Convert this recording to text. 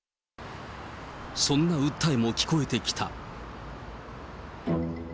そんな訴えも聞こえてきた。